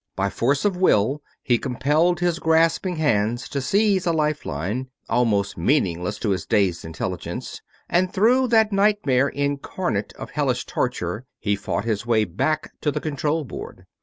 By force of will he compelled his grasping hands to seize a life line, almost meaningless to his dazed intelligence; and through that nightmare incarnate of hellish torture he fought his way back to the control board.